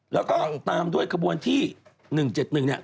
แล้วก็ตามด้วยกระบวนที่๑๗๑เนี่ย